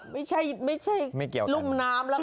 ไม่ใช่ลุ่มน้ำล่ะค่ะ